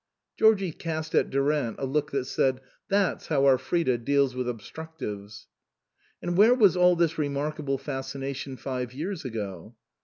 Georgie cast at Durant a look that said, " That's how our Frida deals with obstructives!" " And where was all this remarkable fascina tion five years ago